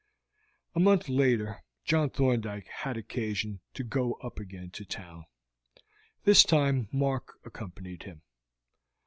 A month later John Thorndyke had occasion to go up again to town. This time Mark accompanied him.